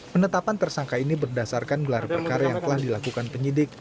penetapan tersangka ini berdasarkan gelar perkara yang telah dilakukan penyidik